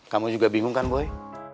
kamu juga bingung kan boy